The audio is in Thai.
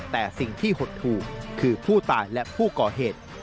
แต่สิ่งที่หดหูคือผู้ตายและผู้ก่อเหตุ